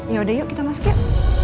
yaudah yuk kita masuk yuk